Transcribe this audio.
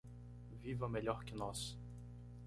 Viva melhor que nós